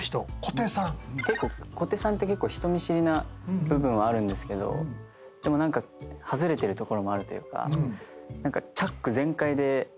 小手さんって結構人見知りな部分はあるんですが何か外れてるところもあるというか。